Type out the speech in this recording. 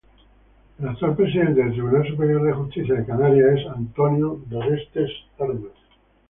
El actual presidente del Tribunal Superior de Justicia de Canarias es Antonio Doreste Armas.